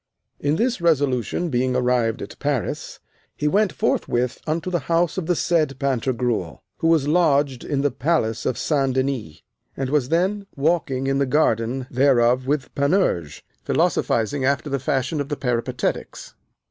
In this resolution being arrived at Paris, he went forthwith unto the house of the said Pantagruel, who was lodged in the palace of St. Denis, and was then walking in the garden thereof with Panurge, philosophizing after the fashion of the Peripatetics.